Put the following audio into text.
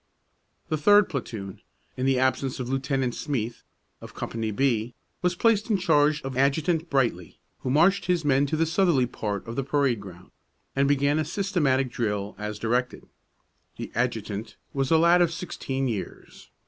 The third platoon, in the absence of Lieutenant Smeath, of Company B, was placed in charge of Adjutant Brightly, who marched his men to the southerly part of the parade ground, and began a systematic drill, as directed. The adjutant was a lad of sixteen years.